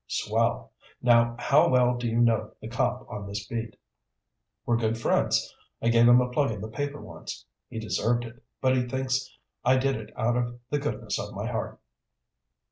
"Swell. Now how well do you know the cop on this beat?" "We're good friends. I gave him a plug in the paper once. He deserved it, but he thinks I did it out of the goodness of my heart."